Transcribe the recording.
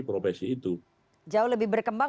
profesi itu jauh lebih berkembang